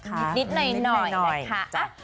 ไฟเขียวเลยนะ